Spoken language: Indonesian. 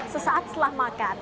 sesaat setelah makan